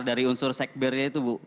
dari unsur sekbernya itu bu